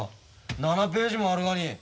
７ページもあるがに。